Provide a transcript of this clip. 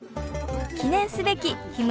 記念すべきひむ